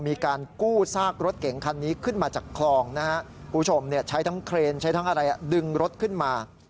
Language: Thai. มีการกู้ซากรถเก๋งคันนี้ขึ้นมาจากคลองนะครับคุณผู้ชมใช้ทั้งเครนใช้ทั้งอะไรดึงรถขึ้นมา